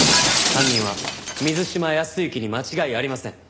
犯人は水島泰之に間違いありません。